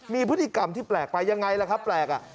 มีพฤติกรรมที่แปลกไปยังไงล่ะครับแปลก